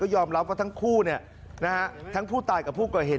ยอมรับว่าทั้งคู่ทั้งผู้ตายกับผู้ก่อเหตุ